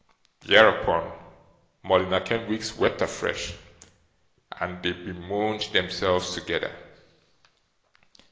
Thereupon, Morleena Kenwigs wept afresh, and they bemoaned themselves together.